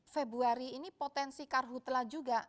februari ini potensi karhutlah juga